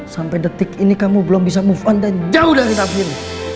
sampai detik ini kamu belum bisa move on dan jauh dari david